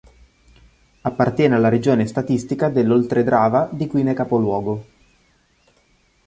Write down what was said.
Appartiene alla regione statistica dell'Oltredrava di cui ne è capoluogo.